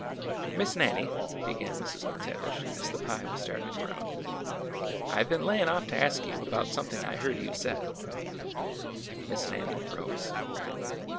" Miss Nannie," began Mrs. McTavish, as the pie was started around, " I 've been layin' off to ask you about something I heard you said." Miss Nannie rose.